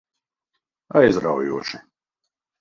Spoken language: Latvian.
Aizraujoši.